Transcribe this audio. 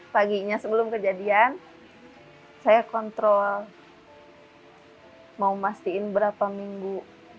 paginya sebelum kejadian saya kontrol mau mastiin berapa minggu